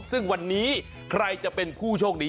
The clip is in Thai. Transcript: ซึ่งวันนี้ใครจะเป็นผู้โชคดี